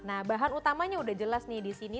nah bahan utamanya udah jelas nih disini